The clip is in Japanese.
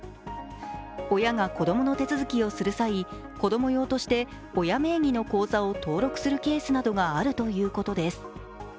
親が子供の手続きをする際子供用として親名義の口座を登録するケースがあるということです。